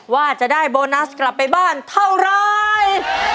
ว่าจะได้โบนัสกลับไปบ้านเท่าไร